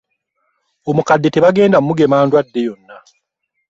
Omukadde tebagenda kumugema ndwadde yonna.